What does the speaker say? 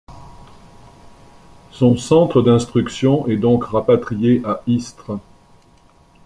Son centre d’instruction est donc rapatrié à Istres.